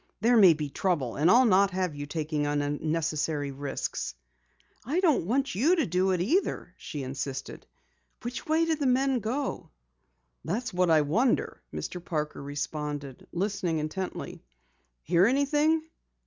"There may be trouble, and I'll not have you taking unnecessary risks." "I don't want you to do it either," she insisted. "Which way did the men go?" "That's what I wonder," Mr. Parker responded, listening intently. "Hear anything?"